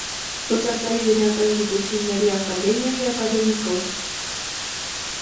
Ռուսաստանի բնական գիտությունների ակադեմիայի ակադեմիկոս։